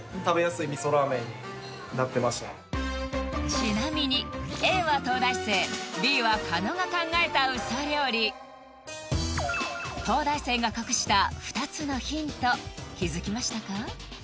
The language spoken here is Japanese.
ちなみにＡは東大生Ｂは狩野が考えたウソ料理東大生が隠した２つのヒント気づきましたか？